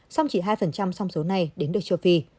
song chỉ hai trong số này đến được châu phi